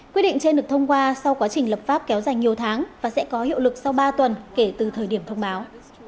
quyết định trên được thông qua sau quá trình lập pháp kéo dài nhiều tháng và sẽ có hiệu lực sau ba tuần kể từ thời điểm thông báo